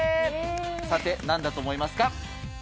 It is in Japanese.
さて、なんだと思いますか。